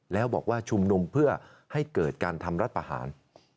แล้วบอกว่าชุมนุมเพื่อให้เกิดการทำรัฐประหาร